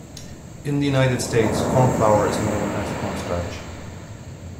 In the United States, cornflour is known as cornstarch